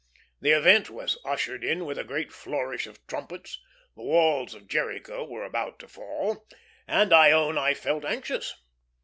The event was ushered in with a great flourish of trumpets, the walls of Jericho were about to fall, and I own I felt anxious.